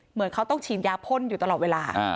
เหมือนเขาต้องฉีดยาพ่นอยู่ตลอดเวลา